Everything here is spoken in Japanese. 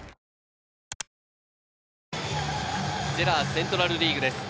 ＪＥＲＡセントラルリーグです。